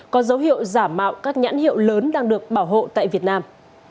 có dấu hiệu giả mạo các nhãn hiệu lớn đang được bảo hộ tại việt nam